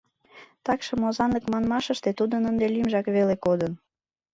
Такшым озанлык манмаштыже тудын ынде лӱмжак веле кодын.